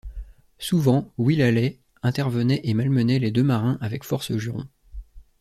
Souvent Will Halley intervenait et malmenait les deux marins avec force jurons.